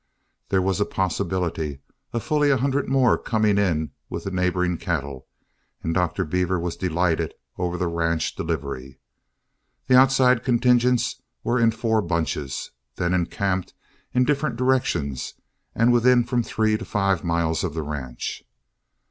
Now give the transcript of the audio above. There was a possibility of fully a hundred more coming in with the neighboring cattle, and Dr. Beaver was delighted over the ranch delivery. The outside contingents were in four bunches, then encamped in different directions and within from three to five miles of the ranch.